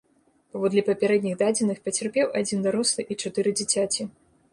Паводле папярэдніх дадзеных, пацярпеў адзін дарослы і чатыры дзіцяці.